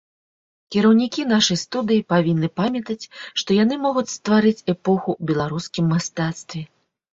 Кіраўнікі нашай студыі павінны памятаць, што яны могуць стварыць эпоху ў беларускім мастацтве.